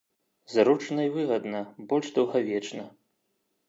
Зручна і выгадна, больш даўгавечна.